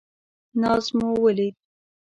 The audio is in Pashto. ناز مو ولید.